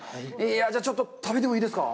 ちょっと食べてもいいですか？